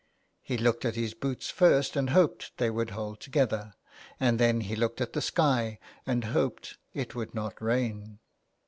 He looked at his boots first, and hoped they would hold together ; and then he looked at the sky, and hoped it would not rain.